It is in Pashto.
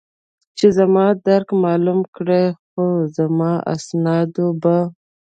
چې زما درک معلوم کړي، خو زما اسناد به.